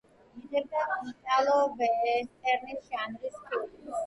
იღებდა იტალო-ვესტერნის ჟანრის ფილმებს.